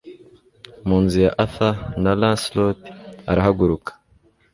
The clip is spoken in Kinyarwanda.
Mu nzu ya Arthur Na Lancelot arahaguruka